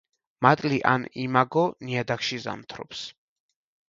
მატლი ან იმაგო ნიადაგში ზამთრობს.